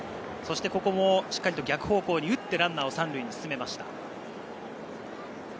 ここもしっかりと逆方向に打ってランナーを３塁に進めました。